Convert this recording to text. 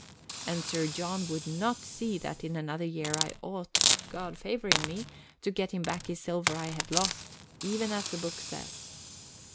And Sir John would not see that in another year I ought, God favouring me, to get him back his silver I had lost, even as the book says.